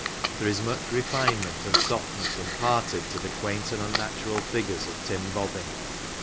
There is much refine '^ ment and softness imparted to the quaint and unnatural figures of " Tim Bobbin.